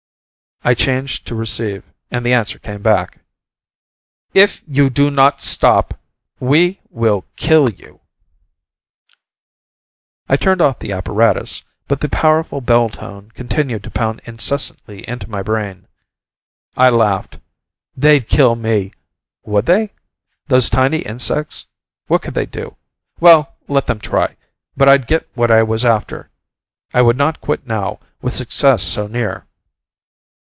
I changed to receive, and the answer came back, "If you do not stop ... we will kill you!" I turned off the apparatus, but the powerful bell tone continued to pound incessantly into my brain. I laughed. They'd kill me ... would they? Those tiny insects ... what could they do? Well let them try, but I'd get what I was after. I would not quit now, with success so near.